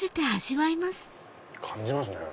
感じますね。